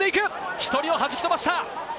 １人を弾き飛ばした。